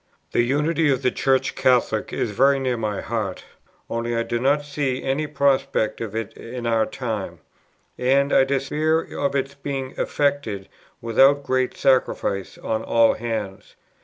The unity of the Church Catholic is very near my heart, only I do not see any prospect of it in our time; and I despair of its being effected without great sacrifices on all hands.